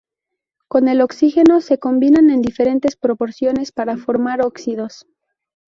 Con el oxígeno se combinan en diferentes proporciones para formar óxidos.